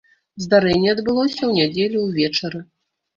Здарэнне адбылося ў нядзелю ўвечары.